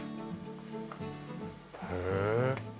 へえ。